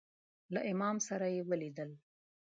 له امام سره یې ولیدل.